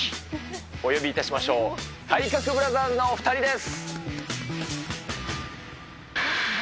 お呼びいたしましょう、体格ブラザーズのお２人です。